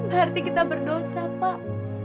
berarti kita berdosa pak